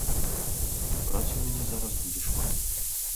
Бо працы ў мяне зараз будзе шмат.